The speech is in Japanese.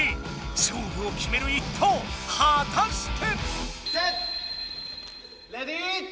勝負を決める一投はたして⁉セット！